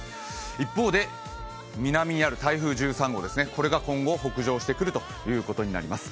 一方で南にある台風１３号ですね、これが今後、北上してくるということになります。